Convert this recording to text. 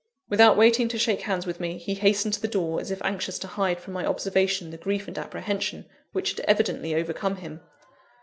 Without waiting to shake hands with me, he hastened to the door, as if anxious to hide from my observation the grief and apprehension which had evidently overcome him.